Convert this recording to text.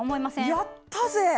やったぜ！